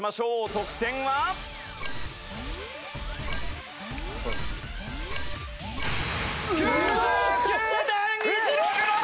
得点は？９９．１６６！